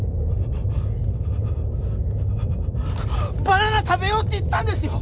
バナナ食べようって言ったんですよ！